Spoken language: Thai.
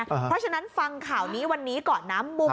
เพราะฉะนั้นฟังข่าวนี้วันนี้ก่อนน้ำมุ่ง